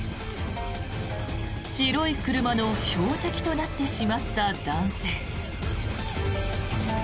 白い車の標的となってしまった男性。